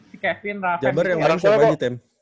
si jember yang larang siapa aja tem